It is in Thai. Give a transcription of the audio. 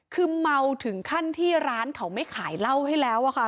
คือเมาถึงขั้นที่ร้านเขาไม่ขายเหล้าให้แล้วอะค่ะ